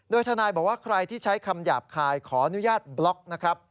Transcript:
โดยทนายบอกว่าใครที่ใช้คำหยาบคายขออนุญาตบล็อกนะครับ